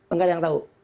enggak ada yang tahu